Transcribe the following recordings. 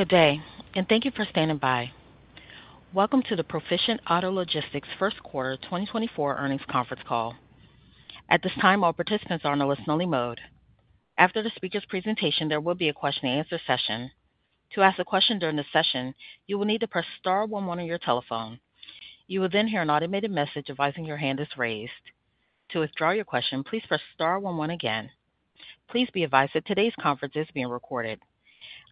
Good day, and thank you for standing by. Welcome to the Proficient Auto Logistics First Quarter 2024 Earnings Conference Call. At this time, all participants are in a listen-only mode. After the speaker's presentation, there will be a question-and-answer session. To ask a question during the session, you will need to press star one one on your telephone. You will then hear an automated message advising your hand is raised. To withdraw your question, please press star one one again. Please be advised that today's conference is being recorded.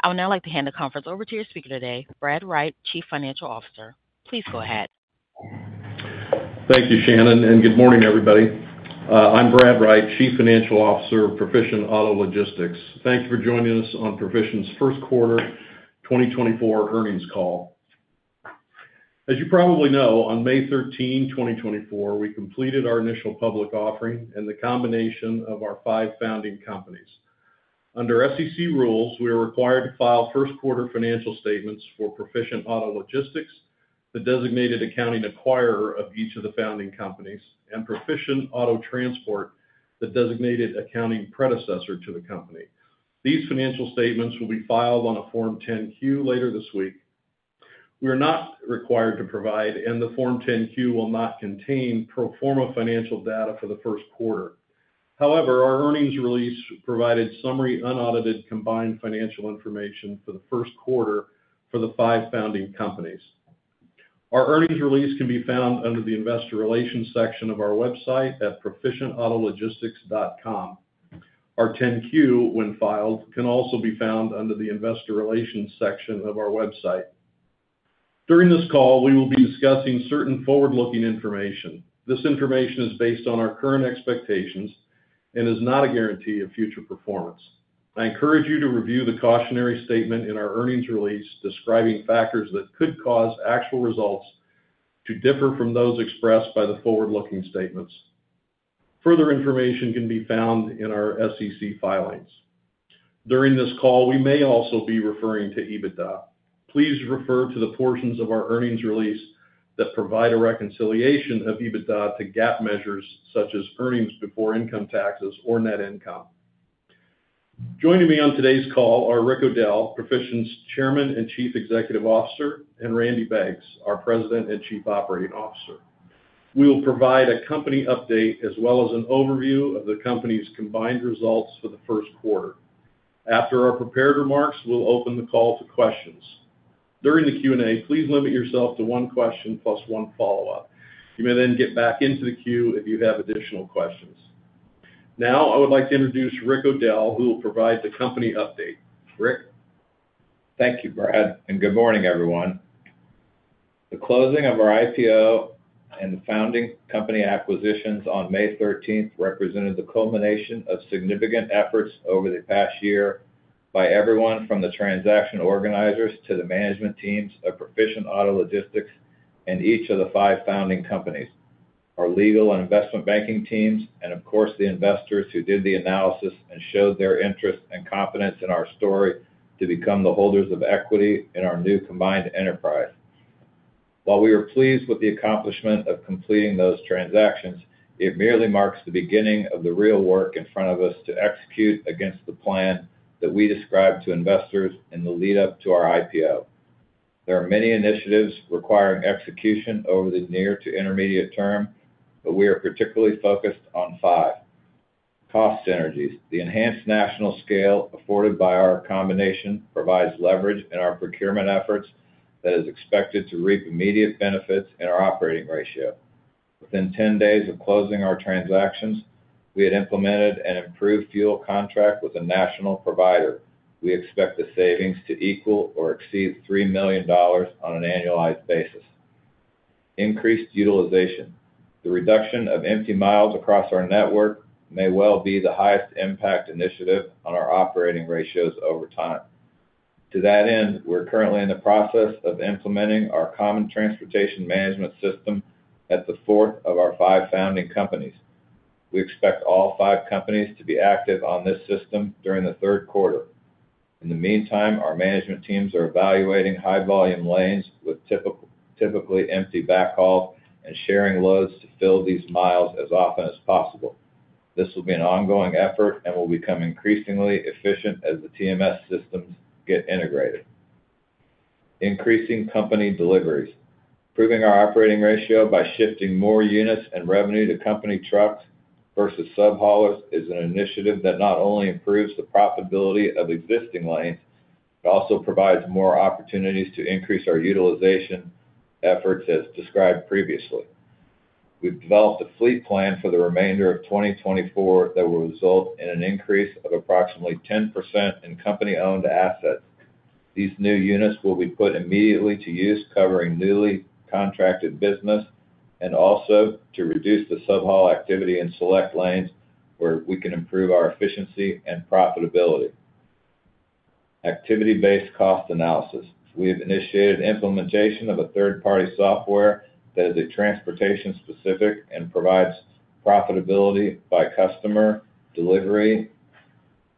I would now like to hand the conference over to your speaker today, Brad Wright, Chief Financial Officer. Please go ahead. Thank you, Shannon, and good morning, everybody. I'm Brad Wright, Chief Financial Officer of Proficient Auto Logistics. Thank you for joining us on Proficient's first quarter 2024 earnings call. As you probably know, on May 13, 2024, we completed our initial public offering and the combination of our five founding companies. Under SEC rules, we are required to file first quarter financial statements for Proficient Auto Logistics, the designated accounting acquirer of each of the founding companies, and Proficient Auto Transport, the designated accounting predecessor to the company. These financial statements will be filed on a Form 10-Q later this week. We are not required to provide, and the Form 10-Q will not contain pro forma financial data for the first quarter. However, our earnings release provided summary, unaudited, combined financial information for the first quarter for the five founding companies. Our earnings release can be found under the Investor Relations section of our website at proficientautologistics.com. Our 10-Q, when filed, can also be found under the Investor Relations section of our website. During this call, we will be discussing certain forward-looking information. This information is based on our current expectations and is not a guarantee of future performance. I encourage you to review the cautionary statement in our earnings release, describing factors that could cause actual results to differ from those expressed by the forward-looking statements. Further information can be found in our SEC filings. During this call, we may also be referring to EBITDA. Please refer to the portions of our earnings release that provide a reconciliation of EBITDA to GAAP measures such as earnings before income taxes or net income. Joining me on today's call are Rick O'Dell, Proficient's Chairman and Chief Executive Officer, and Randy Beggs, our President and Chief Operating Officer. We will provide a company update as well as an overview of the company's combined results for the first quarter. After our prepared remarks, we'll open the call to questions. During the Q&A, please limit yourself to one question plus one follow-up. You may then get back into the queue if you have additional questions. Now, I would like to introduce Rick O'Dell, who will provide the company update. Rick? Thank you, Brad, and good morning, everyone. The closing of our IPO and the founding company acquisitions on May 13th represented the culmination of significant efforts over the past year by everyone from the transaction organizers to the management teams of Proficient Auto Logistics and each of the five founding companies, our legal and investment banking teams, and of course, the investors who did the analysis and showed their interest and confidence in our story to become the holders of equity in our new combined enterprise. While we are pleased with the accomplishment of completing those transactions, it merely marks the beginning of the real work in front of us to execute against the plan that we described to investors in the lead-up to our IPO. There are many initiatives requiring execution over the near to intermediate term, but we are particularly focused on five. Cost synergies. The enhanced national scale afforded by our combination provides leverage in our procurement efforts that is expected to reap immediate benefits in our operating ratio. Within 10 days of closing our transactions, we had implemented an improved fuel contract with a national provider. We expect the savings to equal or exceed $3 million on an annualized basis. Increased utilization. The reduction of empty miles across our network may well be the highest impact initiative on our operating ratios over time. To that end, we're currently in the process of implementing our common transportation management system at the fourth of our five founding companies. We expect all five companies to be active on this system during the third quarter. In the meantime, our management teams are evaluating high-volume lanes with typically empty backhaul and sharing loads to fill these miles as often as possible. This will be an ongoing effort and will become increasingly efficient as the TMS systems get integrated. Increasing company deliveries. Improving our operating ratio by shifting more units and revenue to company trucks versus subhaulers is an initiative that not only improves the profitability of existing lanes, but also provides more opportunities to increase our utilization efforts, as described previously. We've developed a fleet plan for the remainder of 2024 that will result in an increase of approximately 10% in company-owned assets. These new units will be put immediately to use, covering newly contracted business and also to reduce the subhaul activity in select lanes where we can improve our efficiency and profitability. Activity-based cost analysis. We have initiated implementation of a third-party software that is transportation specific and provides profitability by customer, delivery,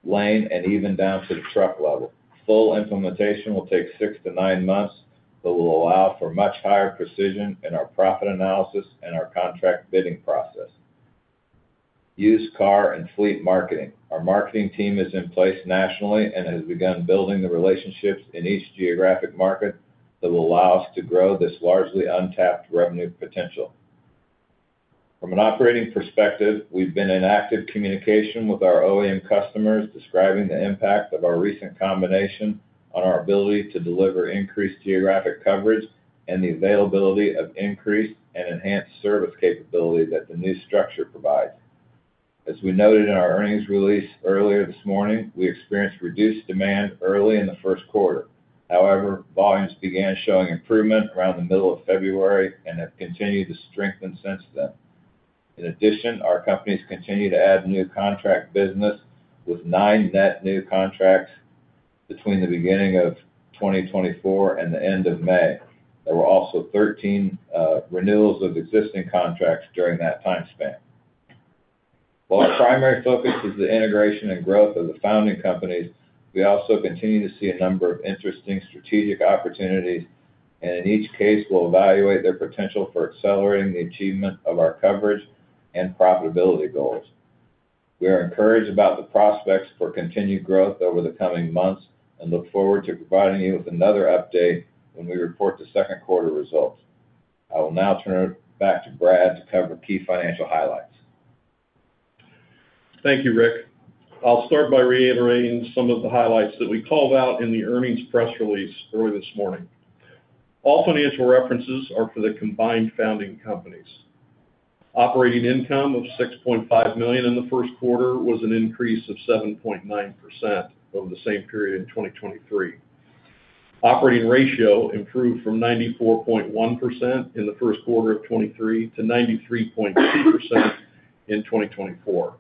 lane, and even down to the truck level. Full implementation will take 6-9 months, but will allow for much higher precision in our profit analysis and our contract bidding process. Used car and fleet marketing. Our marketing team is in place nationally and has begun building the relationships in each geographic market that will allow us to grow this largely untapped revenue potential. From an operating perspective, we've been in active communication with our OEM customers, describing the impact of our recent combination on our ability to deliver increased geographic coverage and the availability of increased and enhanced service capability that the new structure provides. As we noted in our earnings release earlier this morning, we experienced reduced demand early in the first quarter. However, volumes began showing improvement around the middle of February and have continued to strengthen since then. In addition, our companies continue to add new contract business, with 9 net new contracts between the beginning of 2024 and the end of May. There were also 13 renewals of existing contracts during that time span. While our primary focus is the integration and growth of the founding companies, we also continue to see a number of interesting strategic opportunities, and in each case, we'll evaluate their potential for accelerating the achievement of our coverage and profitability goals. We are encouraged about the prospects for continued growth over the coming months and look forward to providing you with another update when we report the second quarter results. I will now turn it back to Brad to cover key financial highlights. Thank you, Rick. I'll start by reiterating some of the highlights that we called out in the earnings press release early this morning. All financial references are for the combined founding companies. Operating income of $6.5 million in the first quarter was an increase of 7.9% over the same period in 2023. Operating ratio improved from 94.1% in the first quarter of '23 to 93.2% in 2024.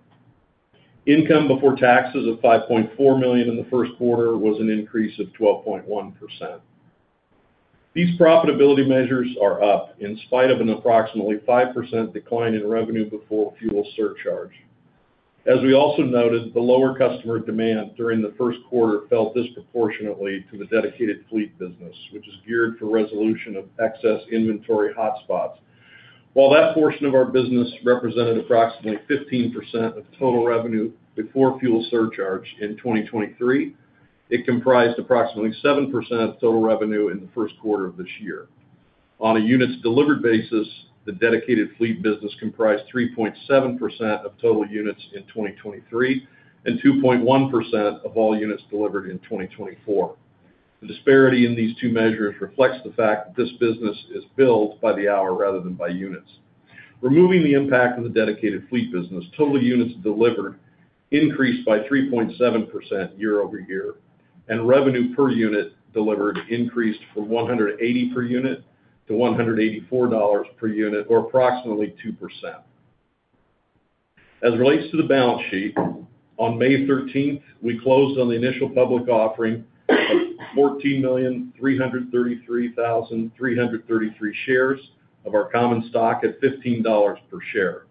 Income before taxes of $5.4 million in the first quarter was an increase of 12.1%. These profitability measures are up in spite of an approximately 5% decline in revenue before fuel surcharge. As we also noted, the lower customer demand during the first quarter fell disproportionately to the dedicated fleet business, which is geared for resolution of excess inventory hotspots. While that portion of our business represented approximately 15% of total revenue before fuel surcharge in 2023, it comprised approximately 7% of total revenue in the first quarter of this year. On a units delivered basis, the dedicated fleet business comprised 3.7% of total units in 2023 and 2.1% of all units delivered in 2024. The disparity in these two measures reflects the fact that this business is billed by the hour rather than by units. Removing the impact of the dedicated fleet business, total units delivered increased by 3.7% year-over-year, and revenue per unit delivered increased from $180 per unit to $184 per unit, or approximately 2%. As it relates to the balance sheet, on May 13th, we closed on the initial public offering of 14,333,333 shares of our common stock at $15 per share.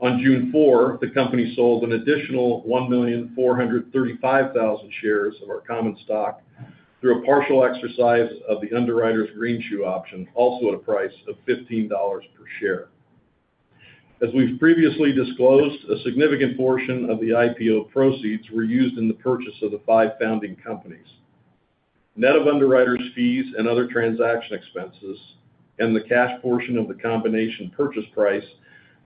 On June 4, the company sold an additional 1,435,000 shares of our common stock through a partial exercise of the underwriter's Greenshoe option, also at a price of $15 per share. As we've previously disclosed, a significant portion of the IPO proceeds were used in the purchase of the five founding companies. Net of underwriter's fees and other transaction expenses, and the cash portion of the combination purchase price,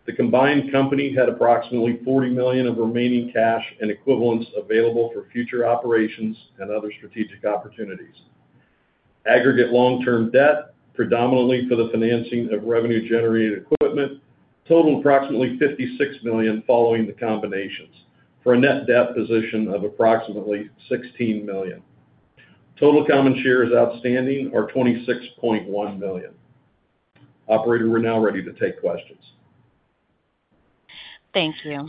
the combined company had approximately $40 million of remaining cash and equivalents available for future operations and other strategic opportunities. Aggregate long-term debt, predominantly for the financing of revenue-generated equipment, totaled approximately $56 million following the combinations, for a net debt position of approximately $16 million. Total common shares outstanding are 26.1 million. Operator, we're now ready to take questions. Thanks, Rick.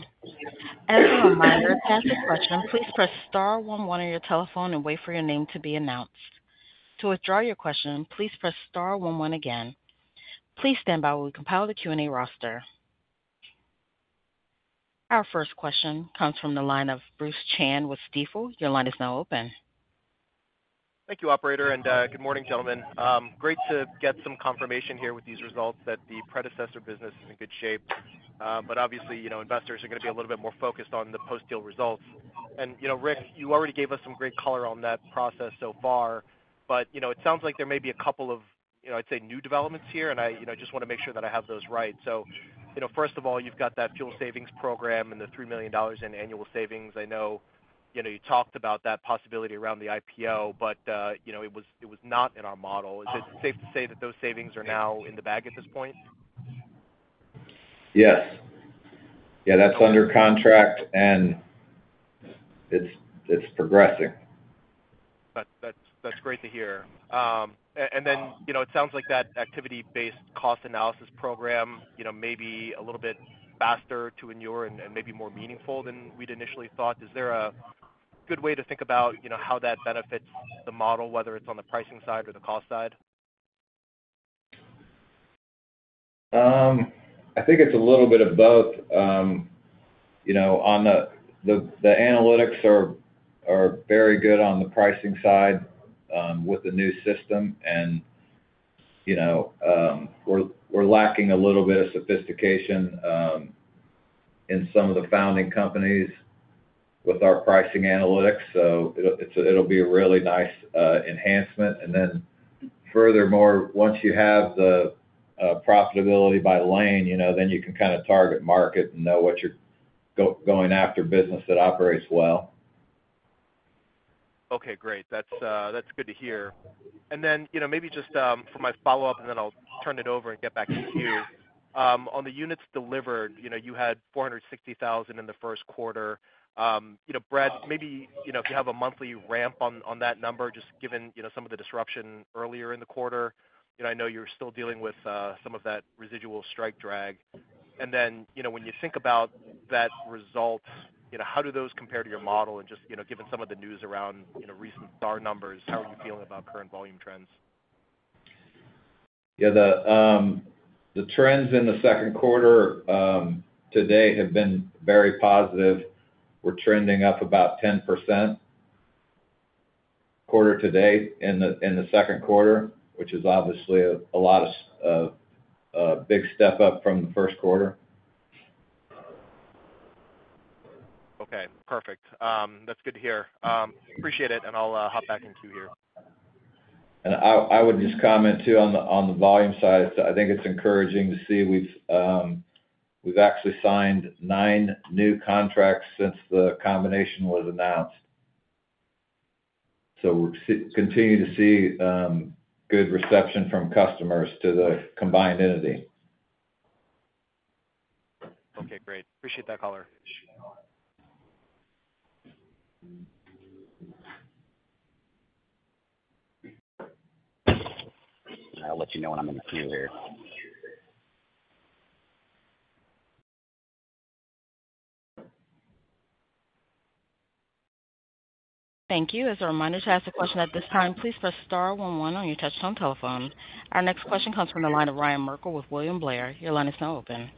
As a reminder, to ask a question, please press star one one on your telephone and wait for your name to be announced. To withdraw your question, please press star one one again. Please stand by while we compile the Q&A roster. Our first question comes from the line of Bruce Chan with Stifel. Your line is now open. Thank you, operator, and good morning, gentlemen. Great to get some confirmation here with these results that the predecessor business is in good shape. But obviously, you know, investors are gonna be a little bit more focused on the post-deal results. And, you know, Rick, you already gave us some great color on that process so far, but, you know, it sounds like there may be a couple of, you know, I'd say, new developments here, and I, you know, just wanna make sure that I have those right. So, you know, first of all, you've got that fuel savings program and the $3 million in annual savings. I know, you know, you talked about that possibility around the IPO, but, you know, it was, it was not in our model. Is it safe to say that those savings are now in the bag at this point? Yes. Yeah, that's under contract, and it's progressing. That's great to hear. And then, you know, it sounds like that Activity-based cost analysis program, you know, may be a little bit faster to endure and maybe more meaningful than we'd initially thought. Is there a good way to think about, you know, how that benefits the model, whether it's on the pricing side or the cost side? I think it's a little bit of both. You know, the analytics are very good on the pricing side with the new system, and you know, we're lacking a little bit of sophistication in some of the founding companies with our pricing analytics, so it'll be a really nice enhancement. And then furthermore, once you have the profitability by lane, you know, then you can kind of target market and know what you're going after business that operates well. Okay, great. That's good to hear. And then, you know, maybe just for my follow-up, and then I'll turn it over and get back to you. On the units delivered, you know, you had 460,000 in the first quarter. You know, Brad, maybe, you know, if you have a monthly ramp on that number, just given, you know, some of the disruption earlier in the quarter. You know, I know you're still dealing with some of that residual strike drag. And then, you know, when you think about that result, you know, how do those compare to your model? And just, you know, given some of the news around, you know, recent SAAR numbers, how are you feeling about current volume trends? Yeah, the trends in the second quarter today have been very positive. We're trending up about 10% quarter to date in the second quarter, which is obviously a big step up from the first quarter. Okay, perfect. That's good to hear. Appreciate it, and I'll hop back in queue here. I would just comment, too, on the volume side. I think it's encouraging to see we've actually signed 9 new contracts since the combination was announced. We're continuing to see good reception from customers to the combined entity. Okay, great. Appreciate that color. I'll let you know when I'm in the queue here. Thank you. As a reminder, to ask a question at this time, please press star one one on your touchtone telephone. Our next question comes from the line of Ryan Merkel with William Blair. Your line is now open.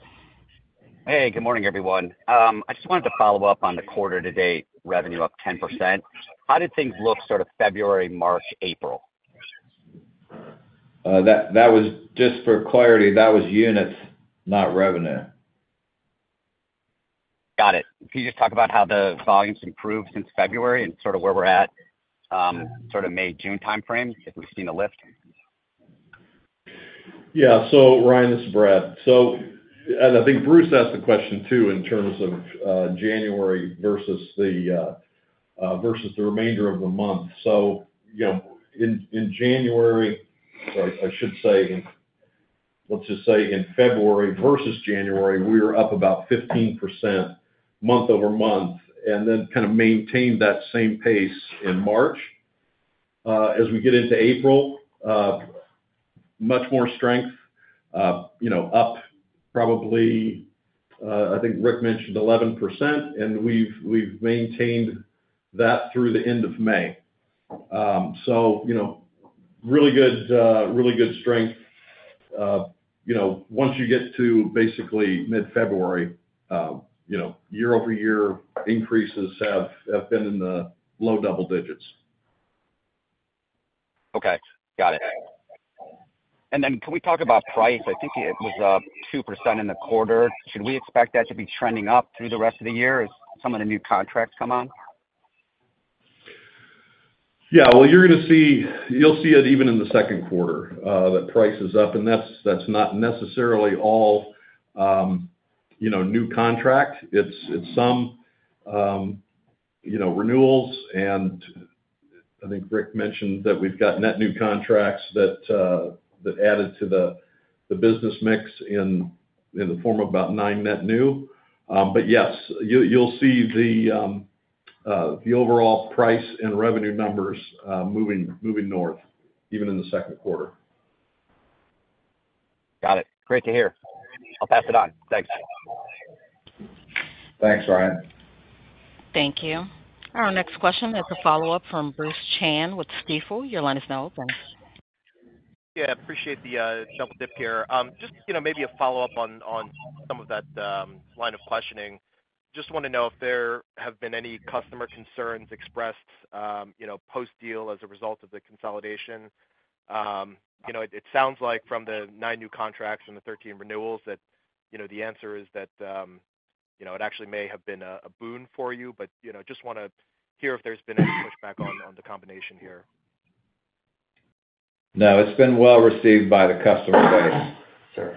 Hey, good morning, everyone. I just wanted to follow up on the quarter-to-date revenue up 10%. How did things look sort of February, March, April? That was... Just for clarity, that was units, not revenue. Got it. Can you just talk about how the volumes improved since February and sort of where we're at, sort of May, June timeframe, if we've seen a lift? Yeah. So Ryan, this is Brad. So, and I think Bruce asked the question, too, in terms of January versus the remainder of the month. So, you know, in January, sorry, I should say, let's just say in February versus January, we were up about 15% month-over-month, and then kind of maintained that same pace in March. As we get into April, much more strength, you know, up probably, I think Rick mentioned 11%, and we've maintained that through the end of May. So, you know, really good strength. You know, once you get to basically mid-February, you know, year-over-year increases have been in the low double digits. Okay, got it. And then can we talk about price? I think it was up 2% in the quarter. Should we expect that to be trending up through the rest of the year as some of the new contracts come on? Yeah. Well, you're gonna see... You'll see it even in the second quarter, that price is up, and that's not necessarily all, you know, new contract. It's some, you know, renewals, and I think Rick mentioned that we've got net new contracts that added to the business mix in the form of about nine net new. But yes, you'll see the overall price and revenue numbers moving north, even in the second quarter. Got it. Great to hear. I'll pass it on. Thanks. Thanks, Ryan. Thank you. Our next question is a follow-up from Bruce Chan with Stifel. Your line is now open. Yeah, I appreciate the double dip here. Just, you know, maybe a follow-up on some of that line of questioning. Just want to know if there have been any customer concerns expressed, you know, post-deal as a result of the consolidation. You know, it sounds like from the nine new contracts and the 13 renewals that, you know, the answer is that, you know, it actually may have been a boon for you. But, you know, just want to hear if there's been any pushback on the combination here. No, it's been well received by the customer base.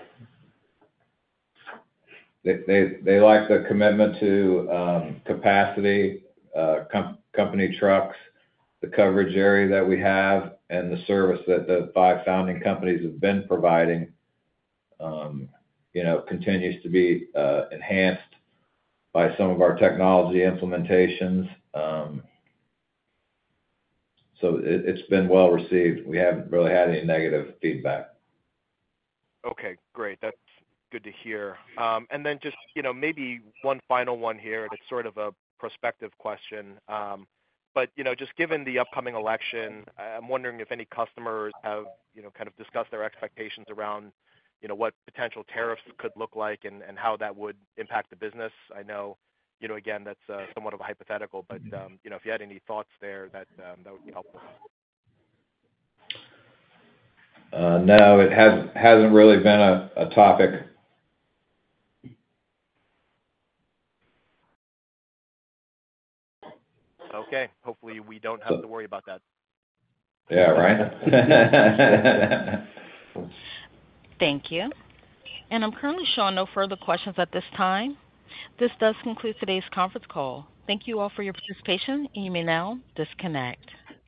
Sure. They like the commitment to capacity, company trucks, the coverage area that we have, and the service that the five founding companies have been providing, you know, continues to be enhanced by some of our technology implementations. So it, it's been well received. We haven't really had any negative feedback. Okay, great. That's good to hear. And then just, you know, maybe one final one here, and it's sort of a prospective question. But, you know, just given the upcoming election, I'm wondering if any customers have, you know, kind of discussed their expectations around, you know, what potential tariffs could look like and, and how that would impact the business. I know, you know, again, that's somewhat of a hypothetical, but, you know, if you had any thoughts there, that would be helpful. No, it hasn't really been a topic. Okay. Hopefully, we don't have to worry about that. Yeah, right? Thank you. I'm currently showing no further questions at this time. This does conclude today's conference call. Thank you all for your participation. You may now disconnect.